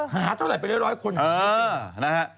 หาเท่าไหร่ไปได้ร้อยคนนะฮะ